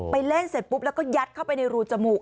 เล่นเสร็จปุ๊บแล้วก็ยัดเข้าไปในรูจมูก